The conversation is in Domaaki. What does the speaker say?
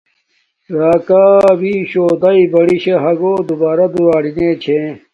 راکا بیشو داݵ برشاہ ہاگی دوبارا دولارینے چھے